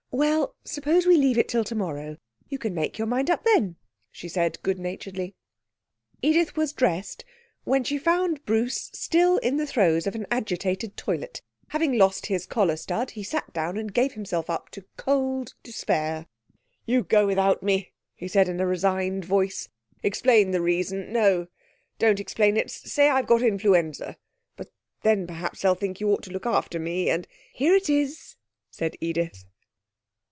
'Well, suppose we leave it till tomorrow. You can make up your mind then,' she said good naturedly. Edith was dressed, when she found Bruce still in the throes of an agitated toilet. Having lost his collar stud, he sat down and gave himself up to cold despair. 'You go without me,' he said in a resigned voice. 'Explain the reason no, don't explain it. Say I've got influenza but then perhaps they'll think you ought to look after me, and ' 'Here it is!' said Edith.